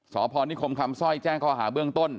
สพนิคมคำสร้อยแจ้งข้อหาเบื้องต้น